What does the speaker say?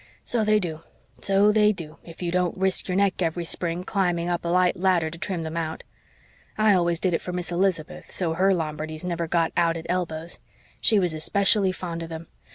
So they do so they do, if you don't risk your neck every spring climbing up a light ladder to trim them out. I always did it for Miss Elizabeth, so her Lombardies never got out at elbows. She was especially fond of them.